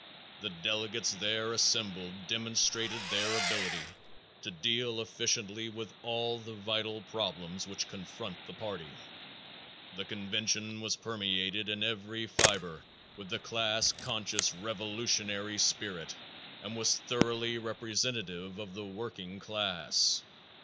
The delegates there assembled demonstrated their ability to deal efficiently with all the vital problems which confront the party. The convention was permeated in every fiber with the class conscious, revolutionary spirit and was thoroughly representative of the working class.